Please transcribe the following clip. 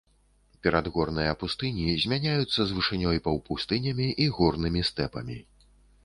Перадгорныя пустыні змяняюцца з вышынёй паўпустынямі і горнымі стэпамі.